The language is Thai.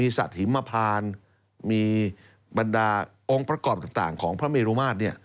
มีสระอโนดาตมีสระถิมพานมีบรรดาองค์ประกอบต่างของพระเมรุมาตร